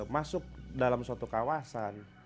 masuk dalam suatu kawasan